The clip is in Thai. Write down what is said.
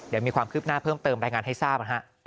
เดี๋ยวมีความคืบหน้าเพิ่มเติมรายงานให้ทราบ